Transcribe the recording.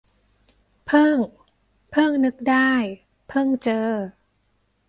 เพิ่ง - เพิ่งนึกได้ เพิ่งเจอ